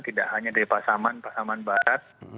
tidak hanya dari pasaman pasaman barat